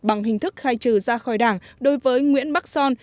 bằng hình thức khai trừ ra khỏi đảng đối với nguyễn bắc son